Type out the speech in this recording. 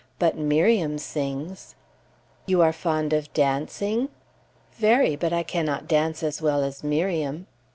But Miriam sings." "You are fond of dancing?" "Very; but I cannot dance as well as Miriam."